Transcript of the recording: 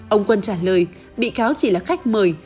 ông quân trả lời bị cáo chỉ là khách mời